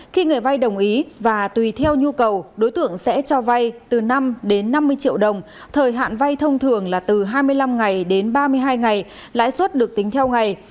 khi người vai đồng ý và tùy theo nhu cầu đối tượng sẽ cho vay từ năm đến năm mươi triệu đồng thời hạn vay thông thường là từ hai mươi năm ngày đến ba mươi hai ngày lãi suất được tính theo ngày